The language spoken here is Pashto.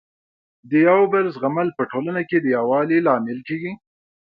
د یو بل زغمل په ټولنه کي د يووالي لامل کيږي.